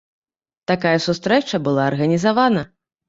Такая сустрэча была арганізавана.